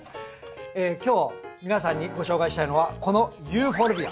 今日皆さんにご紹介したいのはこのユーフォルビア。